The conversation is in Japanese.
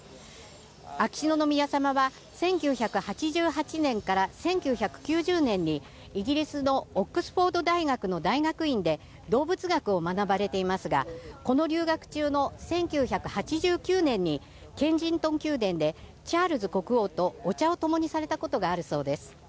秋篠宮さまは１９８８年から１９９０年にイギリスのオックスフォード大学の大学院で動物学を学ばれていますがこの留学中の１９８９年にケンジントン宮殿でチャールズ国王とお茶をともにされたことがあるそうです。